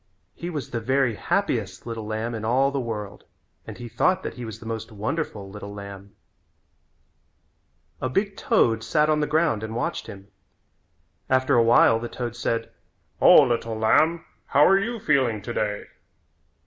He was the very happiest little lamb in all the world and he thought that he was the most wonderful little lamb. A big toad sat on the ground and watched him. After a while the toad said: "O, little lamb, how are you feeling today?"